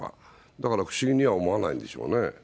だから不思議には思わないんでしょうね。